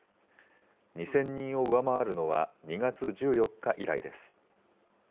２０００人を上回るのは２月１４日以来です。